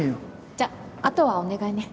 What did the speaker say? じゃあ後はお願いね。